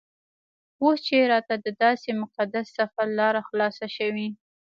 اوس چې راته دداسې مقدس سفر لاره خلاصه شوې.